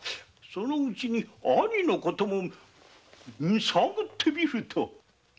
そのうち兄のことも探ってみると。